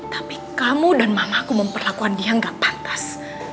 tapi kamu dan mamaku memperlakukan dia gak pantas